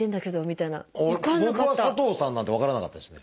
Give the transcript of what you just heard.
僕は「佐藤さん」なんて分からなかったですね。